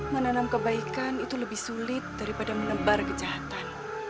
menanam kebaikan itu lebih sulit daripada menebar kejahatan